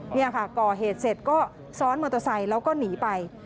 นี่ค่ะก่อเหตุเสร็จก็ซ้อนมอเตอร์ไซค์แล้วก็หนีไป